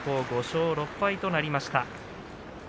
５勝６敗となりました。